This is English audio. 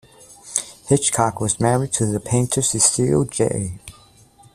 Hitchcock was married to the painter Cecil Jay.